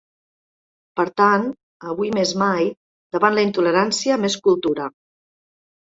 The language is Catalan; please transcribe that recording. Per tant, avui més mai, davant la intolerància més cultura.